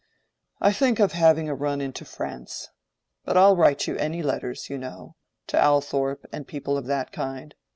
I think of having a run into France. But I'll write you any letters, you know—to Althorpe and people of that kind.